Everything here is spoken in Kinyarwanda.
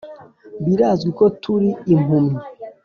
Birazwi ko turi impumyi